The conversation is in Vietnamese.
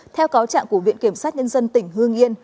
theo cáo trạng của viện kiểm sát nhân dân tỉnh hương yên